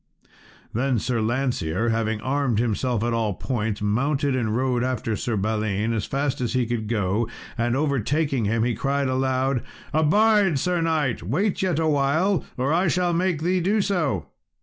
Then Sir Lancear, having armed himself at all points, mounted, and rode after Sir Balin, as fast as he could go, and overtaking him, he cried aloud, "Abide, Sir knight! wait yet awhile, or I shall make thee do so."